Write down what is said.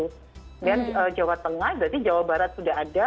kemudian jawa tengah berarti jawa barat sudah ada